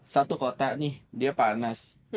satu kota nih dia panas